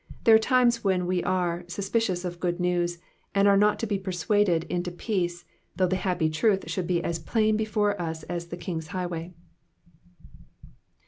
There are times when we are suspicious of good news, and are not to be persuaded into peace, though the happy truth should be as plain before us as the King's highway.